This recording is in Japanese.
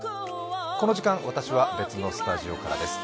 この時間、私は別のスタジオからです。